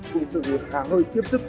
cùng sự khá hơi tiếp sức